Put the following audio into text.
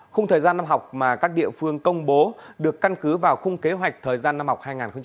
khung thời gian năm học mà các địa phương công bố được căn cứ vào khung kế hoạch thời gian năm học